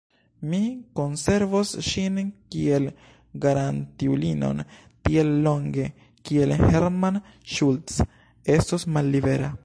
Mi konservos ŝin kiel garantiulinon tiel longe, kiel Hermann Schultz estos mallibera.